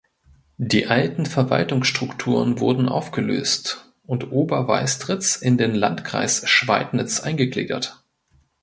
Die alten Verwaltungsstrukturen wurden aufgelöst und Ober Weistritz in den Landkreis Schweidnitz eingegliedert.